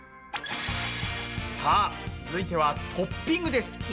さあ続いてはトッピングです。